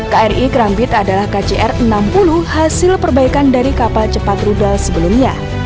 kri kerambit adalah kcr enam puluh hasil perbaikan dari kapal cepat rudal sebelumnya